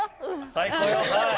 「最高よ」